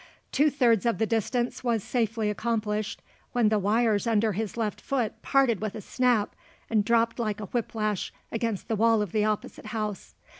Two thirds of the distance was safely accomplished, when the wires under his left foot parted with a snap and dropped like a whip lash against the wall of the opposite house.